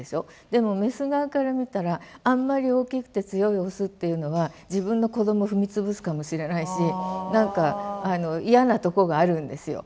でもメス側から見たらあんまり大きくて強いオスっていうのは自分の子供踏み潰すかもしれないし何か嫌なとこがあるんですよ。